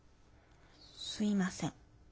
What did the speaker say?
すいません。